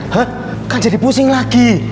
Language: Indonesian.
hah kan jadi pusing lagi